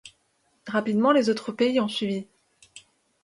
Rapidement les autres pays ont suivi.